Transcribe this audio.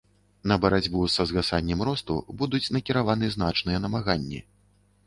На барацьбу са згасаннем росту будуць накіраваны значныя намаганні.